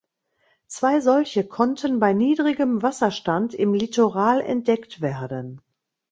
Zwei solche konnten bei niedrigem Wasserstand im Litoral entdeckt werden.